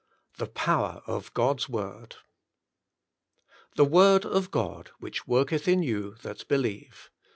YII THE POWER OF GOD's WORD "The word of God which worketh in you that be lieve."